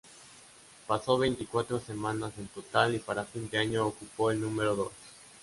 Pasó veinticuatro semanas en total y para fin de año, ocupó el número dos.